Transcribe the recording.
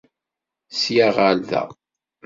Sya ɣer da.